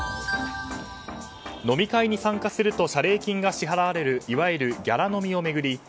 飲み会に参加すると謝礼金が支払われるいわゆるギャラ飲みを巡り